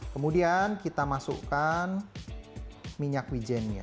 kemudian kita masukkan minyak wijen nya